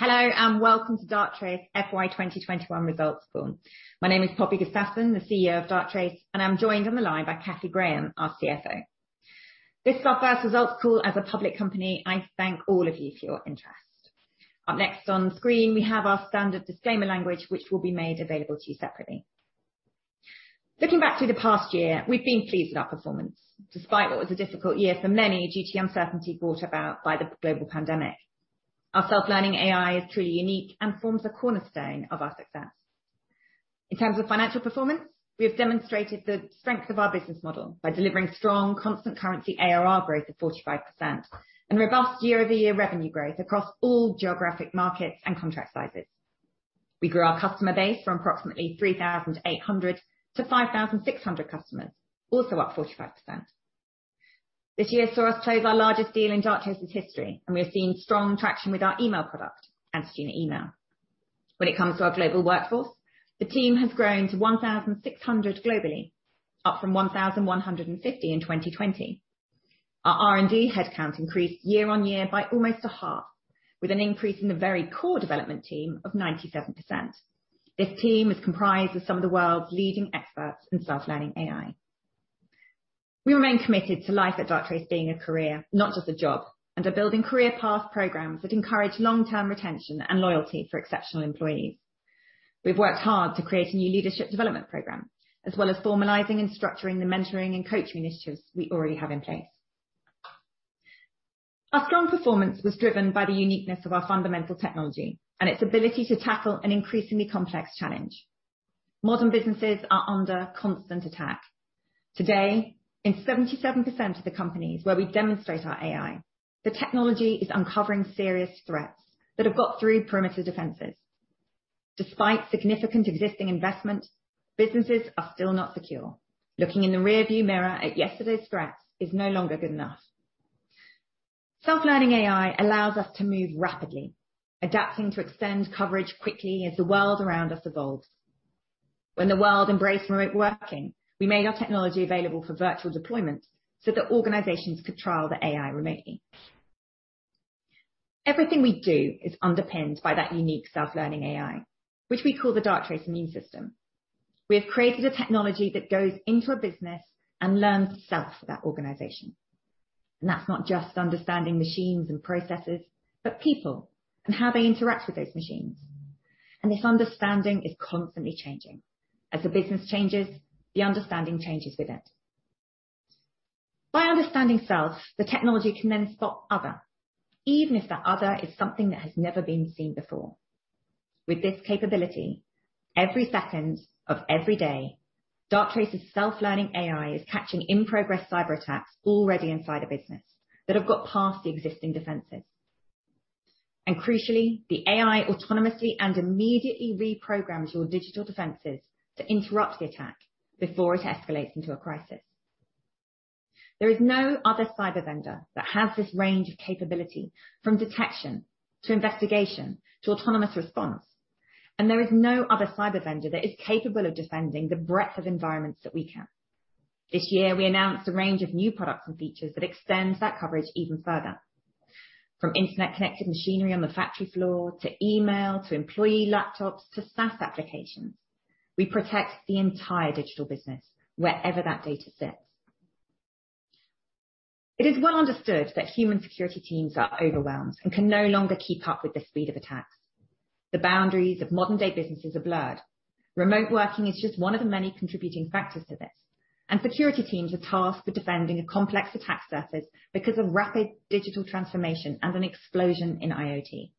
Hello, and welcome to Darktrace FY 2021 results call. My name is Poppy Gustafsson, the CEO of Darktrace, and I'm joined on the line by Cathy Graham, our CFO. This is our first results call as a public company. I thank all of you for your interest. Up next on screen, we have our standard disclaimer language, which will be made available to you separately. Looking back through the past year, we've been pleased with our performance, despite what was a difficult year for many due to uncertainty brought about by the global pandemic. Our Self-Learning AI is truly unique and forms a cornerstone of our success. In terms of financial performance, we have demonstrated the strength of our business model by delivering strong constant currency ARR growth of 45% and robust year-over-year revenue growth across all geographic markets and contract sizes. We grew our customer base from approximately 3,800 to 5,600 customers, also up 45%. This year saw us close our largest deal in Darktrace's history, and we have seen strong traction with our email product, Antigena Email. When it comes to our global workforce, the team has grown to 1,600 globally, up from 1,150 in 2020. Our R&D headcount increased year-over-year by almost a half, with an increase in the very core development team of 97%. This team is comprised of some of the world's leading experts in Self-Learning AI. We remain committed to life at Darktrace being a career, not just a job, and are building career path programs that encourage long-term retention and loyalty for exceptional employees. We've worked hard to create a new leadership development program, as well as formalizing and structuring the mentoring and coaching initiatives we already have in place. Our strong performance was driven by the uniqueness of our fundamental technology and its ability to tackle an increasingly complex challenge. Modern businesses are under constant attack. Today, in 77% of the companies where we demonstrate our AI, the technology is uncovering serious threats that have got through perimeter defenses. Despite significant existing investment, businesses are still not secure. Looking in the rearview mirror at yesterday's threats is no longer good enough. Self-Learning AI allows us to move rapidly, adapting to extend coverage quickly as the world around us evolves. When the world embraced remote working, we made our technology available for virtual deployments so that organizations could trial the AI remotely. Everything we do is underpinned by that unique Self-Learning AI, which we call the Darktrace Immune System. We have created a technology that goes into a business and learns self for that organization, and that's not just understanding machines and processes, but people and how they interact with those machines. This understanding is constantly changing. As the business changes, the understanding changes with it. By understanding self, the technology can then spot other, even if that other is something that has never been seen before. With this capability, every second of every day, Darktrace's Self-Learning AI is catching in-progress cyber attacks already inside a business that have got past the existing defenses. Crucially, the AI autonomously and immediately reprograms your digital defenses to interrupt the attack before it escalates into a crisis. There is no other cyber vendor that has this range of capability, from detection to investigation to Autonomous Response, and there is no other cyber vendor that is capable of defending the breadth of environments that we can. This year, we announced a range of new products and features that extends that coverage even further. From internet-connected machinery on the factory floor, to email, to employee laptops, to SaaS applications. We protect the entire digital business wherever that data sits. It is well understood that human security teams are overwhelmed and can no longer keep up with the speed of attacks. The boundaries of modern-day businesses are blurred. Remote working is just one of the many contributing factors to this, and security teams are tasked with defending a complex attack surface because of rapid digital transformation and an explosion in IoT.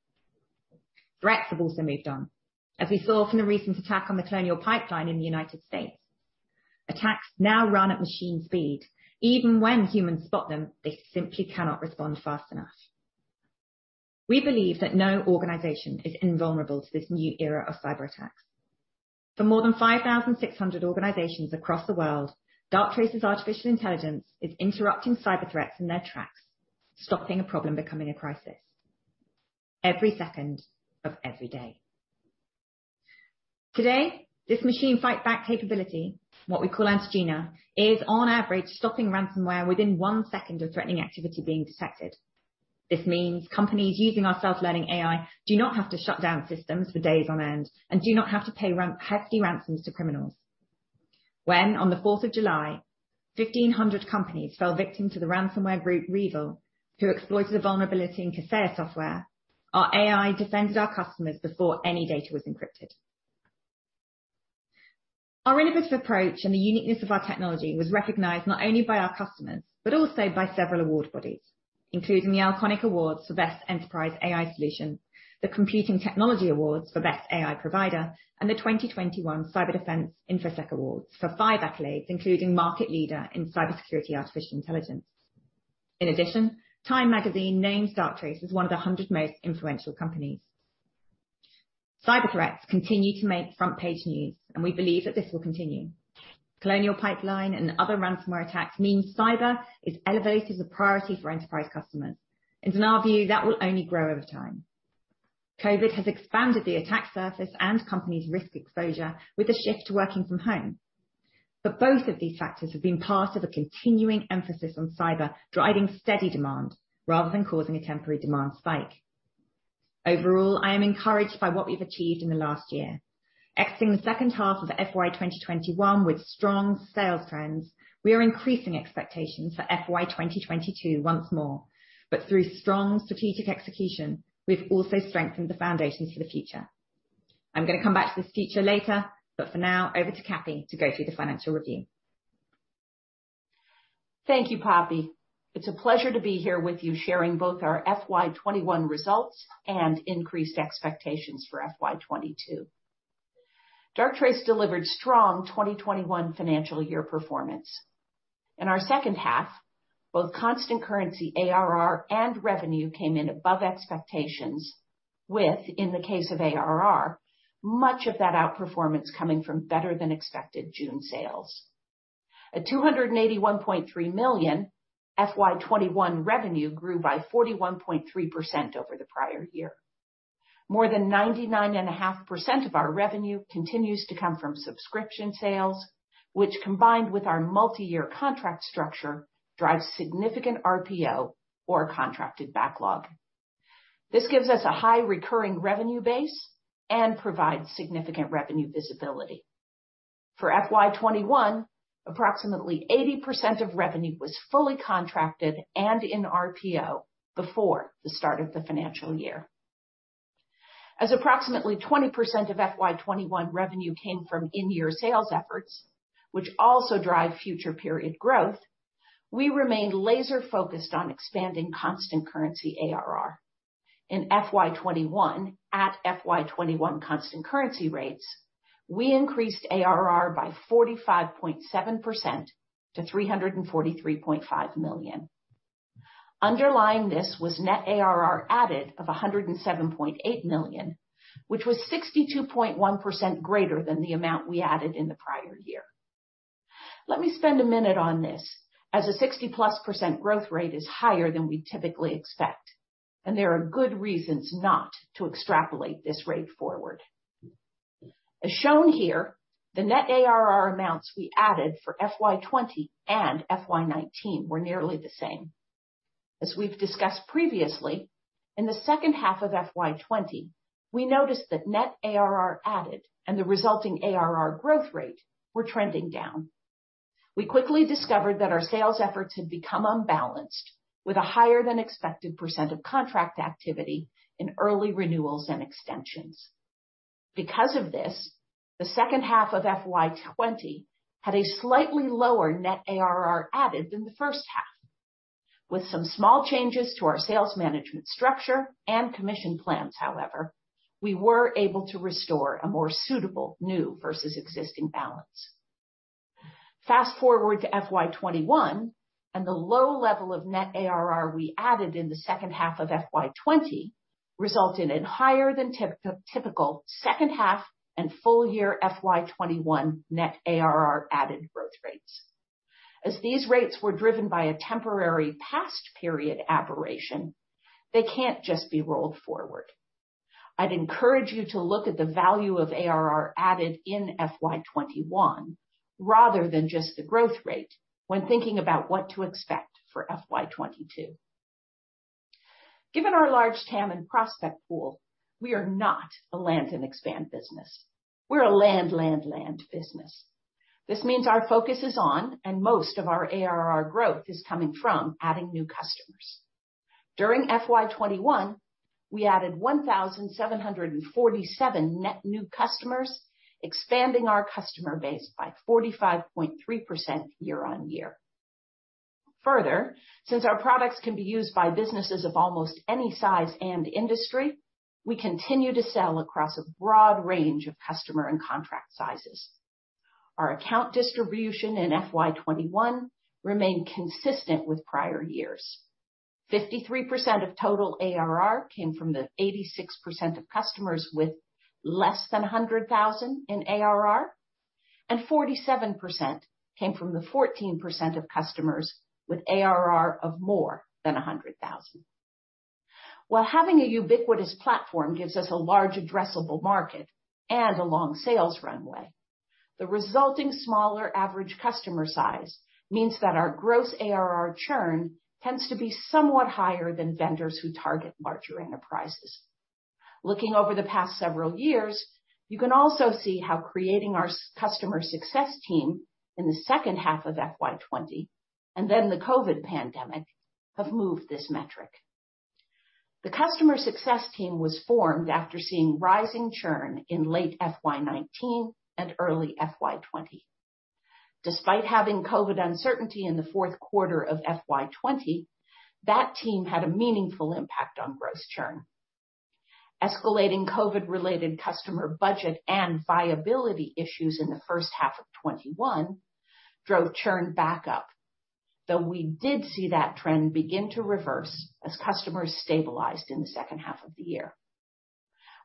Threats have also moved on, as we saw from the recent attack on the Colonial Pipeline in the United States. Attacks now run at machine speed. Even when humans spot them, they simply cannot respond fast enough. We believe that no organization is invulnerable to this new era of cyber attacks. For more than 5,600 organizations across the world, Darktrace's artificial intelligence is interrupting cyber threats in their tracks, stopping a problem becoming a crisis every second of every day. Today, this machine fight-back capability, what we call Antigena, is on average stopping ransomware within 1 second of threatening activity being detected. This means companies using our Self-Learning AI do not have to shut down systems for days on end and do not have to pay hefty ransoms to criminals. When, on the 4th of July, 1,500 companies fell victim to the ransomware group REvil, who exploited a vulnerability in Kaseya software, our AI defended our customers before any data was encrypted. Our innovative approach and the uniqueness of our technology was recognized not only by our customers but also by several award bodies, including the AIconics Awards for Best Enterprise AI Solution, the Computing Technology Product Awards for Best AI Provider, and the 2021 Cyber Defense Magazine Global InfoSec Awards for five accolades, including Market Leader in Cybersecurity Artificial Intelligence. In addition, Time magazine named Darktrace as one of the 100 most influential companies. Cyber threats continue to make front-page news, and we believe that this will continue. Colonial Pipeline and other ransomware attacks mean cyber is elevated as a priority for enterprise customers, and in our view, that will only grow over time. COVID has expanded the attack surface and companies' risk exposure with the shift to working from home. Both of these factors have been part of a continuing emphasis on cyber, driving steady demand rather than causing a temporary demand spike. Overall, I am encouraged by what we've achieved in the last year. Exiting the second half of FY 2021 with strong sales trends, we are increasing expectations for FY 2022 once more. Through strong strategic execution, we've also strengthened the foundations for the future. I'm going to come back to this feature later, but for now, over to Cathy to go through the financial review. Thank you, Poppy. It's a pleasure to be here with you, sharing both our FY 2021 results and increased expectations for FY 2022. Darktrace delivered strong 2021 financial year performance. In our second half, both constant currency ARR and revenue came in above expectations with, in the case of ARR, much of that outperformance coming from better than expected June sales. At $281.3 million, FY 2021 revenue grew by 41.3% over the prior year. More than 99.5% of our revenue continues to come from subscription sales, which combined with our multi-year contract structure, drives significant RPO or contracted backlog. This gives us a high recurring revenue base and provides significant revenue visibility. For FY 2021, approximately 80% of revenue was fully contracted and in RPO before the start of the financial year. As approximately 20% of FY 2021 revenue came from in-year sales efforts, which also drive future period growth, we remained laser-focused on expanding constant currency ARR. In FY 2021, at FY 2021 constant currency rates, we increased ARR by 45.7% to $343.5 million. Underlying this was net ARR added of $107.8 million, which was 62.1% greater than the amount we added in the prior year. Let me spend a minute on this, as a 60-plus% growth rate is higher than we typically expect, and there are good reasons not to extrapolate this rate forward. As shown here, the net ARR amounts we added for FY 2020 and FY 2019 were nearly the same. As we've discussed previously, in the second half of FY 2020, we noticed that net ARR added and the resulting ARR growth rate were trending down. We quickly discovered that our sales efforts had become unbalanced with a higher than expected % of contract activity in early renewals and extensions. Because of this, the second half of FY 2020 had a slightly lower net ARR added than the first half. With some small changes to our sales management structure and commission plans, however, we were able to restore a more suitable new versus existing balance. Fast-forward to FY 2021, and the low level of net ARR we added in the second half of FY 2020 resulted in higher than typical second half and full year FY 2021 net ARR added growth rates. As these rates were driven by a temporary past period aberration, they can't just be rolled forward. I'd encourage you to look at the value of ARR added in FY 2021 rather than just the growth rate when thinking about what to expect for FY 2022. Given our large TAM and prospect pool, we are not a land and expand business. We're a land, land business. This means our focus is on, and most of our ARR growth is coming from, adding new customers. During FY 2021, we added 1,747 net new customers, expanding our customer base by 45.3% year-on-year. Further, since our products can be used by businesses of almost any size and industry, we continue to sell across a broad range of customer and contract sizes. Our account distribution in FY 2021 remained consistent with prior years. 53% of total ARR came from the 86% of customers with less than $100,000 in ARR, and 47% came from the 14% of customers with ARR of more than $100,000. While having a ubiquitous platform gives us a large addressable market and a long sales runway, the resulting smaller average customer size means that our gross ARR churn tends to be somewhat higher than vendors who target larger enterprises. Looking over the past several years, you can also see how creating our customer success team in the second half of FY 2020, and then the COVID pandemic, have moved this metric. The customer success team was formed after seeing rising churn in late FY 2019 and early FY 2020. Despite having COVID uncertainty in the fourth quarter of FY 2020, that team had a meaningful impact on gross churn. Escalating COVID-related customer budget and viability issues in the first half of 2021 drove churn back up, though we did see that trend begin to reverse as customers stabilized in the second half of the year.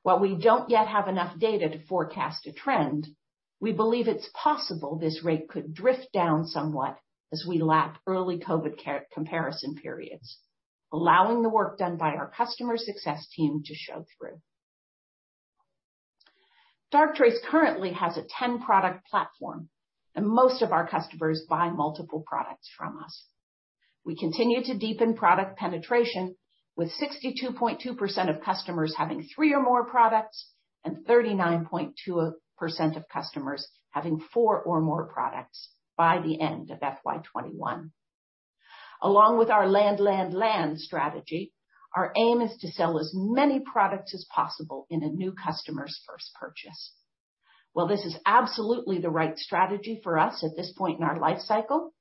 While we don't yet have enough data to forecast a trend. We believe it's possible this rate could drift down somewhat as we lap early COVID comparison periods, allowing the work done by our customer success team to show through. Darktrace currently has a 10-product platform, and most of our customers buy multiple products from us. We continue to deepen product penetration, with 62.2% of customers having three or more products, and 39.2% of customers having four or more products by the end of FY 2021. Along with our land, land strategy, our aim is to sell as many products as possible in a new customer's first purchase. While this is absolutely the right strategy for us at this point in our life cycle,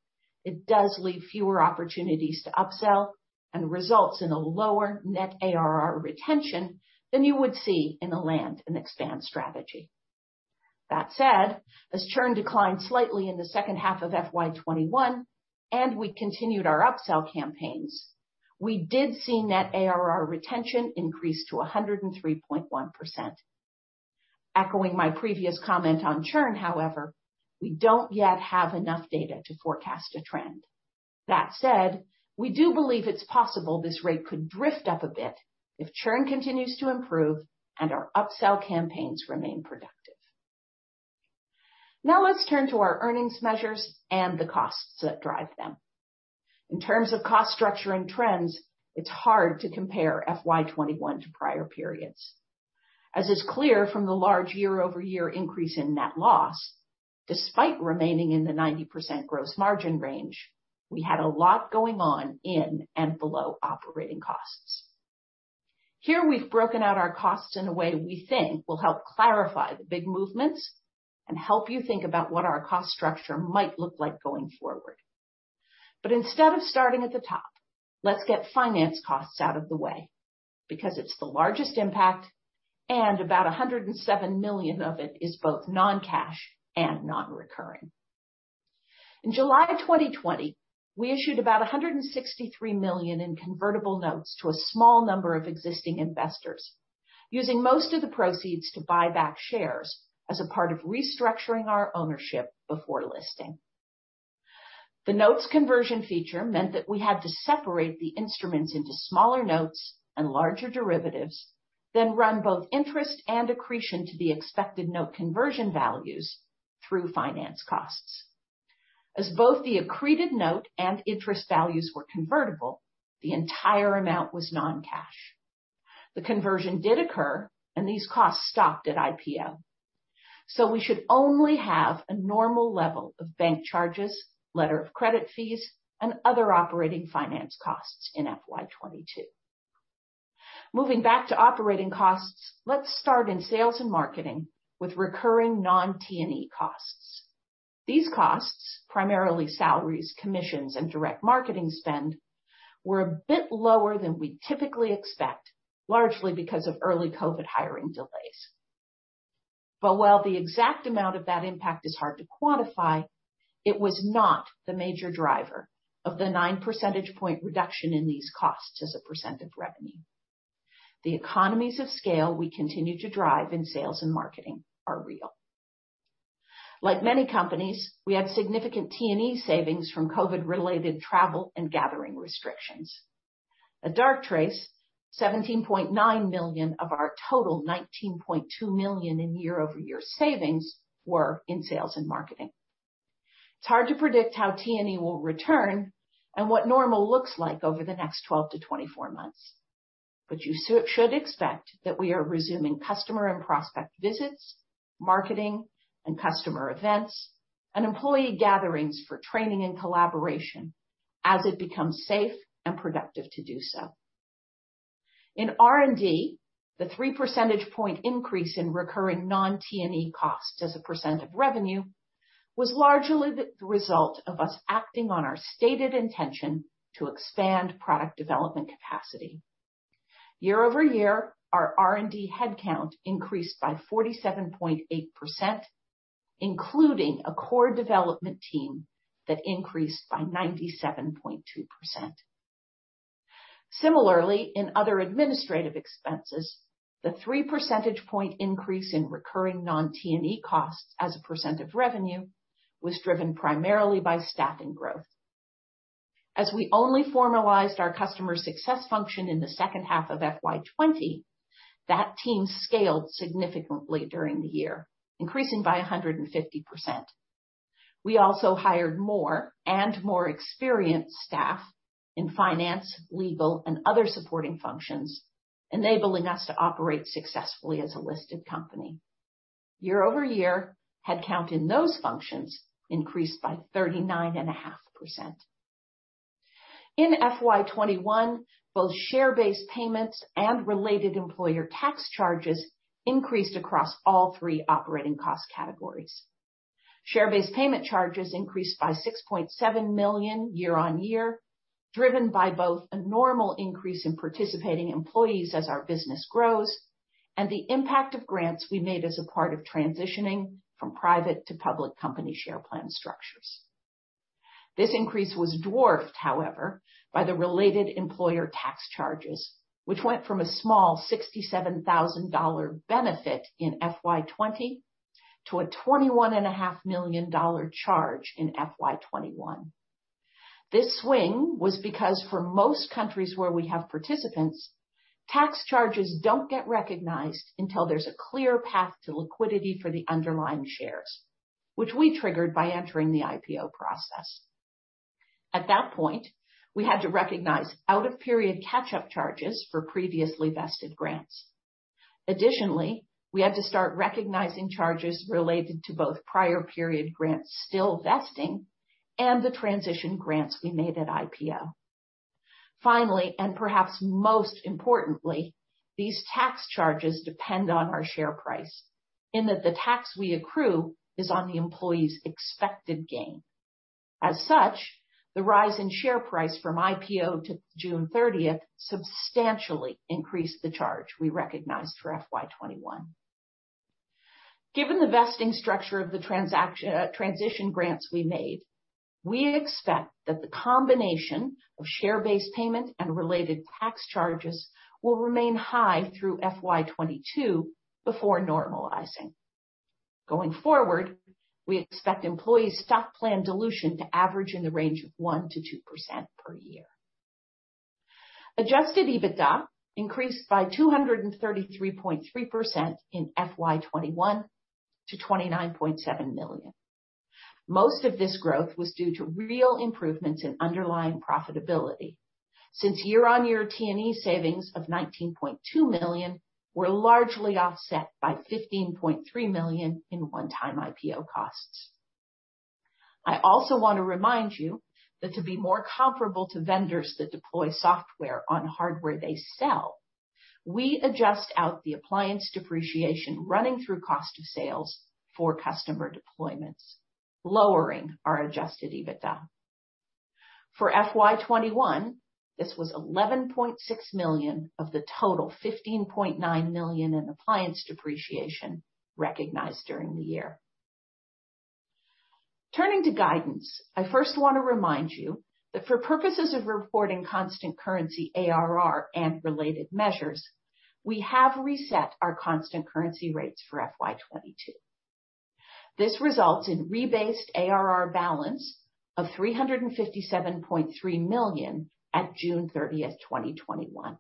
it does leave fewer opportunities to upsell and results in a lower net ARR retention than you would see in a land and expand strategy. That said, as churn declined slightly in the second half of FY 2021, and we continued our upsell campaigns, we did see net ARR retention increase to 103.1%. Echoing my previous comment on churn, however, we don't yet have enough data to forecast a trend. That said, we do believe it's possible this rate could drift up a bit if churn continues to improve and our upsell campaigns remain productive. Now let's turn to our earnings measures and the costs that drive them. In terms of cost structure and trends, it's hard to compare FY 2021 to prior periods. As is clear from the large year-over-year increase in net loss, despite remaining in the 90% gross margin range, we had a lot going on in and below operating costs. Here we've broken out our costs in a way we think will help clarify the big movements and help you think about what our cost structure might look like going forward. Instead of starting at the top, let's get finance costs out of the way, because it's the largest impact, and about $107 million of it is both non-cash and non-recurring. In July of 2020, we issued about $163 million in convertible notes to a small number of existing investors, using most of the proceeds to buy back shares as a part of restructuring our ownership before listing. The notes conversion feature meant that we had to separate the instruments into smaller notes and larger derivatives, then run both interest and accretion to the expected note conversion values through finance costs. As both the accreted note and interest values were convertible, the entire amount was non-cash. The conversion did occur. These costs stopped at IPO. We should only have a normal level of bank charges, letter of credit fees, and other operating finance costs in FY 22. Moving back to operating costs, let's start in sales and marketing with recurring non-T&E costs. These costs, primarily salaries, commissions, and direct marketing spend, were a bit lower than we typically expect, largely because of early COVID hiring delays. While the exact amount of that impact is hard to quantify, it was not the major driver of the 9 percentage point reduction in these costs as a % of revenue. The economies of scale we continue to drive in sales and marketing are real. Like many companies, we had significant T&E savings from COVID-related travel and gathering restrictions. At Darktrace, $17.9 million of our total $19.2 million in year-over-year savings were in sales and marketing. It's hard to predict how T&E will return and what normal looks like over the next 12 to 24 months. You should expect that we are resuming customer and prospect visits, marketing, and customer events, and employee gatherings for training and collaboration as it becomes safe and productive to do so. In R&D, the three percentage point increase in recurring non-T&E costs as a % of revenue was largely the result of us acting on our stated intention to expand product development capacity. Year-over-year, our R&D headcount increased by 47.8%, including a core development team that increased by 97.2%. Similarly, in other administrative expenses, the three percentage point increase in recurring non-T&E costs as a % of revenue was driven primarily by staffing growth. As we only formalized our customer success function in the second half of FY 20, that team scaled significantly during the year, increasing by 150%. We also hired more and more experienced staff in finance, legal, and other supporting functions, enabling us to operate successfully as a listed company. year-over-year, headcount in those functions increased by 39.5%. In FY 2021, both share-based payments and related employer tax charges increased across all three operating cost categories. Share-based payment charges increased by $6.7 million year-on-year, driven by both a normal increase in participating employees as our business grows and the impact of grants we made as a part of transitioning from private to public company share plan structures. This increase was dwarfed, however, by the related employer tax charges, which went from a small $67,000 benefit in FY 20 to a $21.5 million charge in FY 2021. This swing was because for most countries where we have participants, tax charges don't get recognized until there's a clear path to liquidity for the underlying shares, which we triggered by entering the IPO process. At that point, we had to recognize out-of-period catch-up charges for previously vested grants. Additionally, we had to start recognizing charges related to both prior period grants still vesting and the transition grants we made at IPO. Finally, and perhaps most importantly, these tax charges depend on our share price in that the tax we accrue is on the employee's expected gain. As such, the rise in share price from IPO to June 30th substantially increased the charge we recognized for FY 2021. Given the vesting structure of the transition grants we made, we expect that the combination of share-based payment and related tax charges will remain high through FY 2022 before normalizing. Going forward, we expect employee stock plan dilution to average in the range of 1% to 2% per year. Adjusted EBITDA increased by 233.3% in FY 2021 to $29.7 million. Most of this growth was due to real improvements in underlying profitability. Since year-on-year T&E savings of $19.2 million were largely offset by $15.3 million in one-time IPO costs. I also want to remind you that to be more comparable to vendors that deploy software on hardware they sell, we adjust out the appliance depreciation running through cost of sales for customer deployments, lowering our adjusted EBITDA. For FY 2021, this was $11.6 million of the total $15.9 million in appliance depreciation recognized during the year. Turning to guidance, I first want to remind you that for purposes of reporting constant currency ARR and related measures, we have reset our constant currency rates for FY 2022. This results in rebased ARR balance of $357.3 million at June 30, 2021,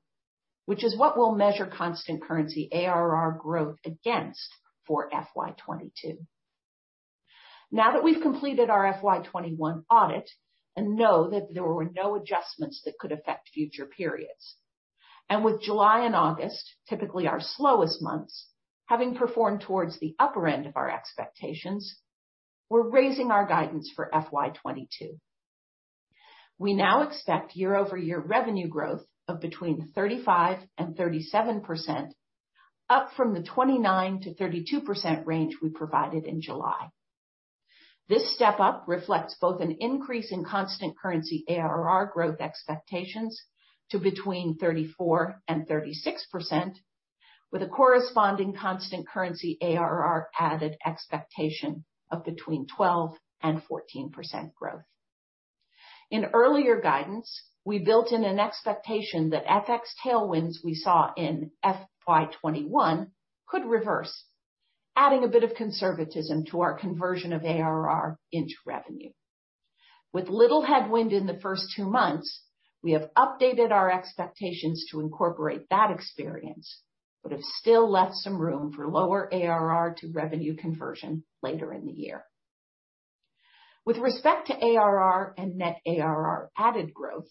which is what we'll measure constant currency ARR growth against for FY 22. Now that we've completed our FY 21 audit and know that there were no adjustments that could affect future periods, and with July and August, typically our slowest months, having performed towards the upper end of our expectations, we're raising our guidance for FY 22. We now expect year-over-year revenue growth of between 35%-37%, up from the 29%-32% range we provided in July. This step-up reflects both an increase in constant currency ARR growth expectations to between 34%-36%, with a corresponding constant currency ARR added expectation of between 12%-14% growth. In earlier guidance, we built in an expectation that FX tailwinds we saw in FY 21 could reverse, adding a bit of conservatism to our conversion of ARR into revenue. With little headwind in the first two months, we have updated our expectations to incorporate that experience, but have still left some room for lower ARR to revenue conversion later in the year. With respect to ARR and net ARR added growth,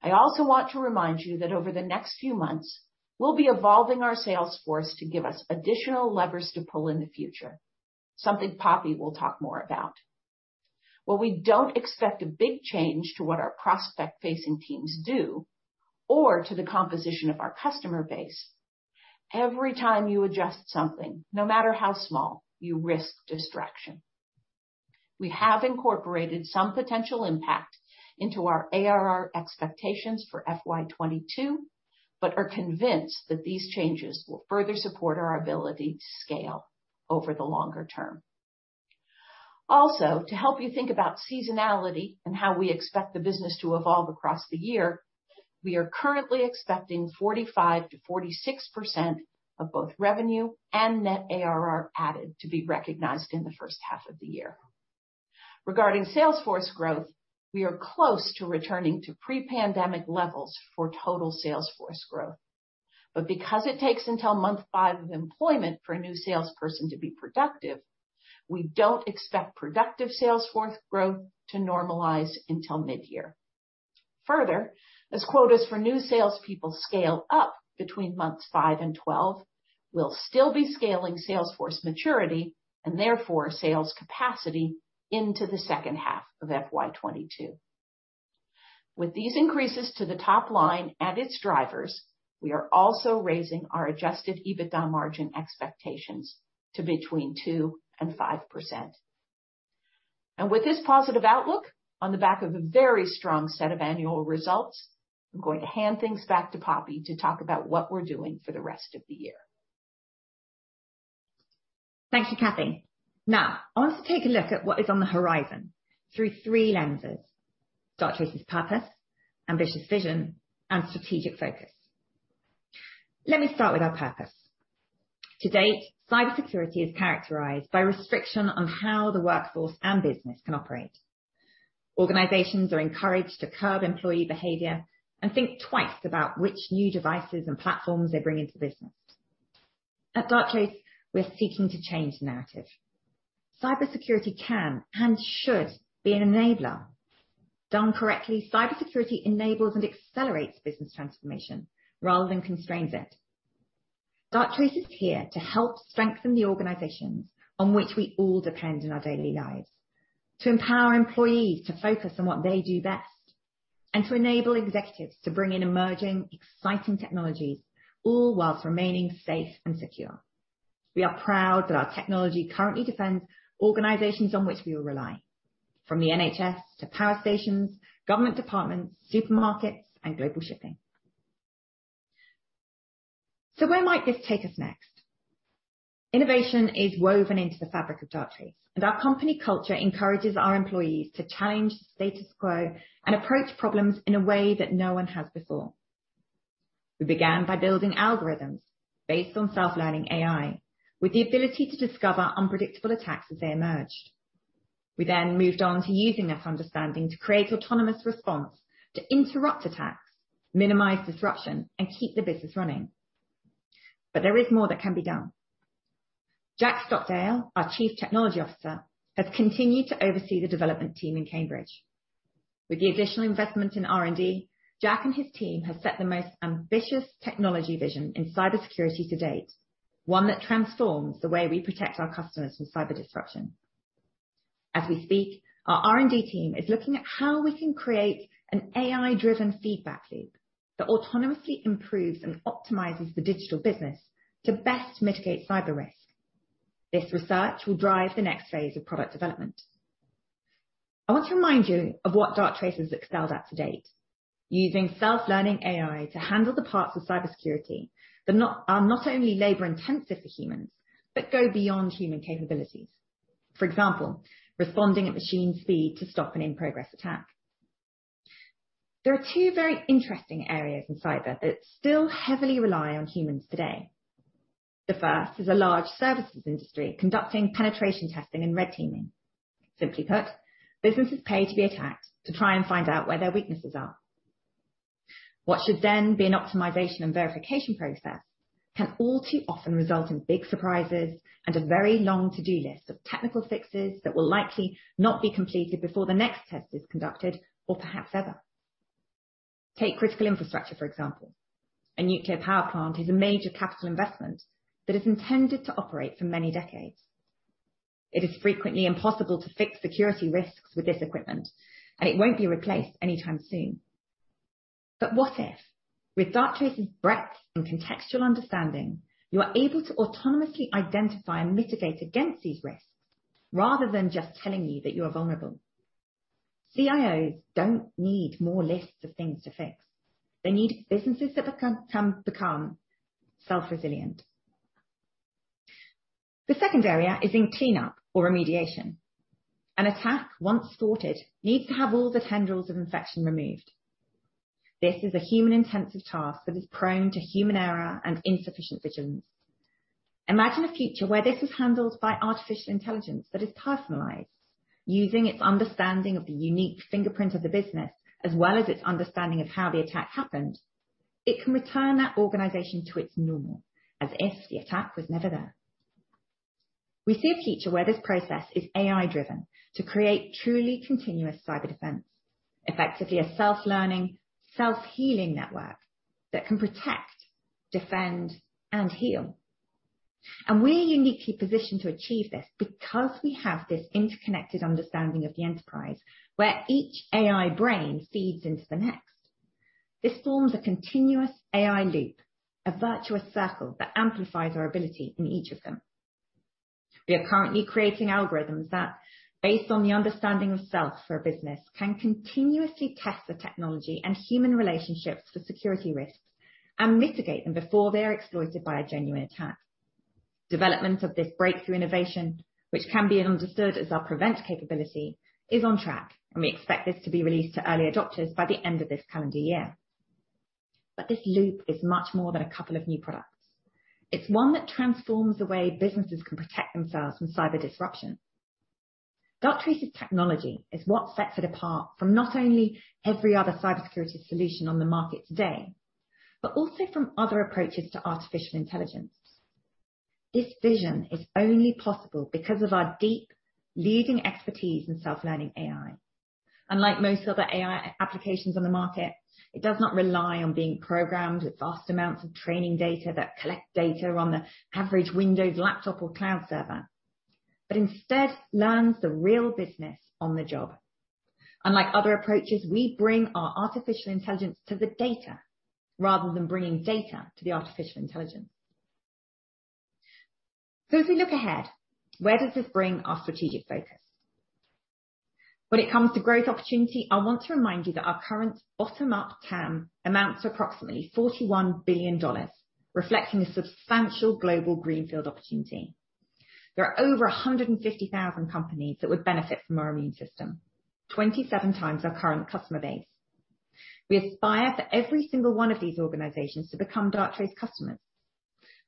I also want to remind you that over the next few months, we'll be evolving our sales force to give us additional levers to pull in the future, something Poppy will talk more about. While we don't expect a big change to what our prospect-facing teams do or to the composition of our customer base, every time you adjust something, no matter how small, you risk distraction. We have incorporated some potential impact into our ARR expectations for FY 22, but are convinced that these changes will further support our ability to scale over the longer term. Also, to help you think about seasonality and how we expect the business to evolve across the year, we are currently expecting 45%-46% of both revenue and net ARR added to be recognized in the first half of the year. Regarding sales force growth, we are close to returning to pre-pandemic levels for total sales force growth. Because it takes until month five of employment for a new salesperson to be productive, we don't expect productive sales force growth to normalize until mid-year. Further, as quotas for new salespeople scale up between months five and 12, we'll still be scaling sales force maturity and therefore sales capacity into the second half of FY 22. With these increases to the top line and its drivers, we are also raising our adjusted EBITDA margin expectations to between 2% and 5%. With this positive outlook on the back of a very strong set of annual results, I'm going to hand things back to Poppy to talk about what we're doing for the rest of the year. Thanks for Kathy. Now, I want to take a look at what is on the horizon through three lenses: Darktrace's purpose, ambitious vision, and strategic focus. Let me start with our purpose. To date, cybersecurity is characterized by restriction on how the workforce and business can operate. Organizations are encouraged to curb employee behavior and think twice about which new devices and platforms they bring into the business. At Darktrace, we're seeking to change the narrative. Cybersecurity can, and should, be an enabler. Done correctly, cybersecurity enables and accelerates business transformation rather than constrains it. Darktrace is here to help strengthen the organizations on which we all depend in our daily lives, to empower employees to focus on what they do best, and to enable executives to bring in emerging, exciting technologies, all while remaining safe and secure. We are proud that our technology currently defends organizations on which we all rely, from the NHS to power stations, government departments, supermarkets, and global shipping. Where might this take us next? Innovation is woven into the fabric of Darktrace, and our company culture encourages our employees to challenge the status quo and approach problems in a way that no one has before. We began by building algorithms based on Self-Learning AI with the ability to discover unpredictable attacks as they emerged. We then moved on to using that understanding to create Autonomous Response to interrupt attacks, minimize disruption, and keep the business running. There is more that can be done. Jack Stockdale, our Chief Technology Officer, has continued to oversee the development team in Cambridge. With the additional investment in R&D, Jack and his team have set the most ambitious technology vision in cybersecurity to date, one that transforms the way we protect our customers from cyber disruption. As we speak, our R&D team is looking at how we can create an AI-driven feedback loop that autonomously improves and optimizes the digital business to best mitigate cyber risk. This research will drive the next phase of product development. I want to remind you of what Darktrace has excelled at to date, using Self-Learning AI to handle the parts of cybersecurity that are not only labor-intensive for humans but go beyond human capabilities. For example, responding at machine speed to stop an in-progress attack. There are two very interesting areas in cyber that still heavily rely on humans today. The first is a large services industry conducting penetration testing and red teaming. Simply put, businesses pay to be attacked to try and find out where their weaknesses are. What should then be an optimization and verification process can all too often result in big surprises and a very long to-do list of technical fixes that will likely not be completed before the next test is conducted, or perhaps ever. Take critical infrastructure, for example. A nuclear power plant is a major capital investment that is intended to operate for many decades. It is frequently impossible to fix security risks with this equipment, and it won't be replaced anytime soon. But what if, with Darktrace's breadth and contextual understanding, you are able to autonomously identify and mitigate against these risks rather than just telling you that you are vulnerable? CIOs don't need more lists of things to fix. They need businesses that can become self-resilient. The second area is in cleanup or remediation. An attack, once sorted, needs to have all the tendrils of infection removed. This is a human-intensive task that is prone to human error and insufficient vigilance. Imagine a future where this is handled by artificial intelligence that is personalized using its understanding of the unique fingerprint of the business as well as its understanding of how the attack happened. It can return that organization to its normal, as if the attack was never there. We see a future where this process is AI-driven to create truly continuous cyber defense, effectively a self-learning, self-healing network that can protect, defend, and heal. We are uniquely positioned to achieve this because we have this interconnected understanding of the enterprise where each AI brain feeds into the next. This forms a continuous AI loop, a virtuous circle that amplifies our ability in each of them. We are currently creating algorithms that, based on the understanding of Self-Learning AI for a business, can continuously test the technology and human relationships for security risks and mitigate them before they are exploited by a genuine attack. Development of this breakthrough innovation, which can be understood as our prevent capability, is on track, and we expect this to be released to early adopters by the end of this calendar year. This loop is much more than a couple of new products. It's one that transforms the way businesses can protect themselves from cyber disruption. Darktrace's technology is what sets it apart from not only every other cybersecurity solution on the market today but also from other approaches to artificial intelligence. This vision is only possible because of our deep, leading expertise in Self-Learning AI. Unlike most other AI applications on the market, it does not rely on being programmed with vast amounts of training data that collect data on the average Windows laptop or cloud server, but instead learns the real business on the job. Unlike other approaches, we bring our artificial intelligence to the data rather than bringing data to the artificial intelligence. As we look ahead, where does this bring our strategic focus? When it comes to growth opportunity, I want to remind you that our current bottom-up TAM amounts to approximately $41 billion, reflecting a substantial global greenfield opportunity. There are over 150,000 companies that would benefit from our immune system, 27x our current customer base. We aspire for every single one of these organizations to become Darktrace customers.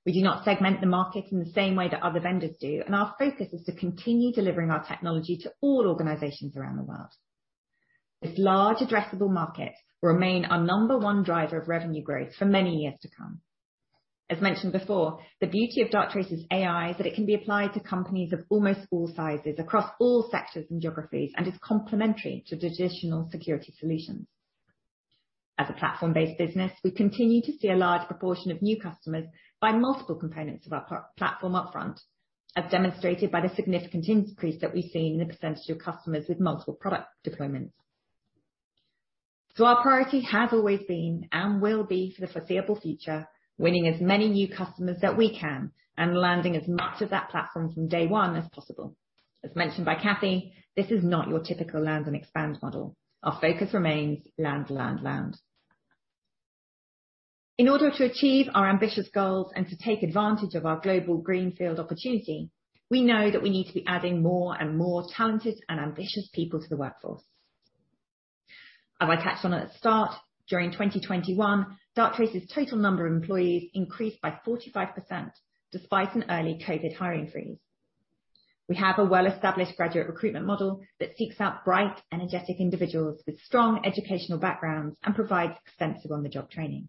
We do not segment the market in the same way that other vendors do, and our focus is to continue delivering our technology to all organizations around the world. This large addressable market will remain our number one driver of revenue growth for many years to come. As mentioned before, the beauty of Darktrace's AI is that it can be applied to companies of almost all sizes across all sectors and geographies and is complementary to traditional security solutions. As a platform-based business, we continue to see a large proportion of new customers buy multiple components of our platform upfront, as demonstrated by the significant increase that we've seen in the percentage of customers with multiple product deployments. Our priority has always been, and will be for the foreseeable future, winning as many new customers that we can and landing as much of that platform from day one as possible. As mentioned by Cathy, this is not your typical land and expand model. Our focus remains land, land. In order to achieve our ambitious goals and to take advantage of our global greenfield opportunity, we know that we need to be adding more and more talented and ambitious people to the workforce. As I touched on at the start, during 2021, Darktrace's total number of employees increased by 45%, despite an early COVID hiring freeze. We have a well-established graduate recruitment model that seeks out bright, energetic individuals with strong educational backgrounds and provides extensive on-the-job training.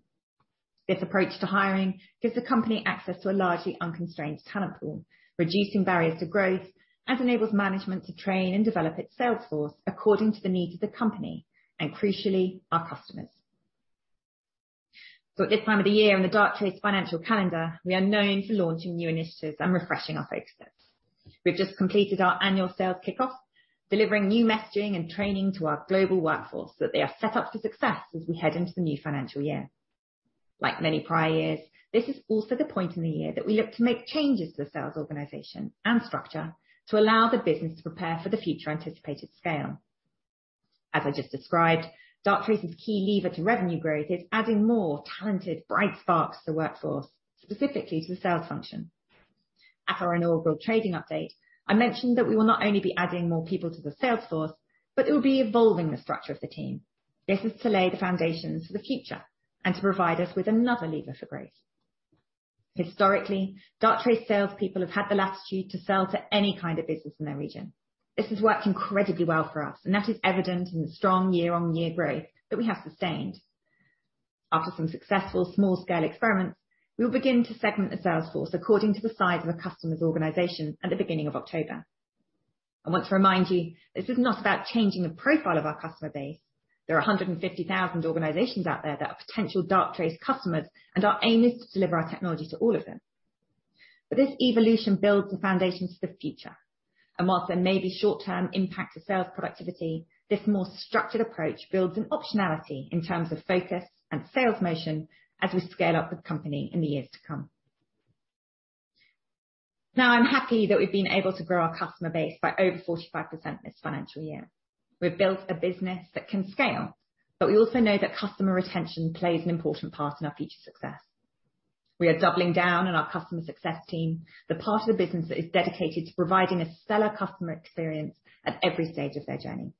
This approach to hiring gives the company access to a largely unconstrained talent pool, reducing barriers to growth, and enables management to train and develop its sales force according to the needs of the company and, crucially, our customers. At this time of the year in the Darktrace financial calendar, we are known for launching new initiatives and refreshing our focus. We've just completed our annual sales kickoff, delivering new messaging and training to our global workforce that they are set up for success as we head into the new financial year. Like many prior years, this is also the point in the year that we look to make changes to the sales organization and structure to allow the business to prepare for the future anticipated scale. As I just described, Darktrace's key lever to revenue growth is adding more talented, bright sparks to the workforce, specifically to the sales function. At our inaugural trading update, I mentioned that we will not only be adding more people to the sales force, but it will be evolving the structure of the team. This is to lay the foundations for the future and to provide us with another lever for growth. Historically, Darktrace salespeople have had the latitude to sell to any kind of business in their region. This has worked incredibly well for us, and that is evident in the strong year-on-year growth that we have sustained. After some successful small-scale experiments, we will begin to segment the sales force according to the size of a customer's organization at the beginning of October. I want to remind you, this is not about changing the profile of our customer base. There are 150,000 organizations out there that are potential Darktrace customers. Our aim is to deliver our technology to all of them. This evolution builds the foundation to the future, and while there may be short-term impact to sales productivity, this more structured approach builds an optionality in terms of focus and sales motion as we scale up the company in the years to come. I'm happy that we've been able to grow our customer base by over 45% this financial year. We've built a business that can scale. We also know that customer retention plays an important part in our future success. We are doubling down on our customer success team, the part of the business that is dedicated to providing a stellar customer experience at every stage of their journey.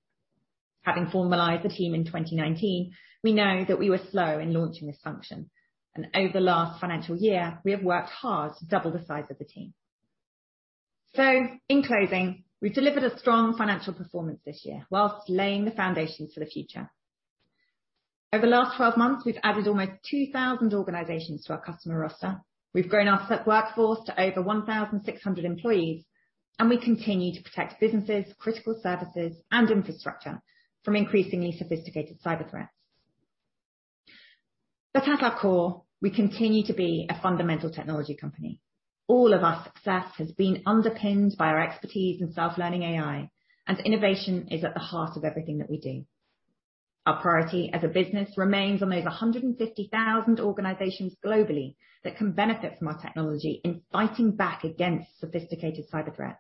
Having formalized the team in 2019, we know that we were slow in launching this function, and over the last financial year, we have worked hard to double the size of the team. In closing, we've delivered a strong financial performance this year whilst laying the foundations for the future. Over the last 12 months, we've added almost 2,000 organizations to our customer roster. We've grown our workforce to over 1,600 employees, and we continue to protect businesses, critical services, and infrastructure from increasingly sophisticated cyber threats. At our core, we continue to be a fundamental technology company. All of our success has been underpinned by our expertise in Self-Learning AI, and innovation is at the heart of everything that we do. Our priority as a business remains on those 150,000 organizations globally that can benefit from our technology in fighting back against sophisticated cyber threats.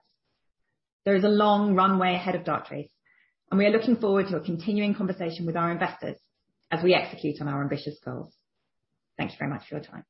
There is a long runway ahead of Darktrace, and we are looking forward to a continuing conversation with our investors as we execute on our ambitious goals. Thanks very much for your time.